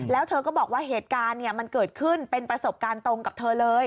แล้วเธอก็บอกว่าเหตุการณ์มันเกิดขึ้นเป็นประสบการณ์ตรงกับเธอเลย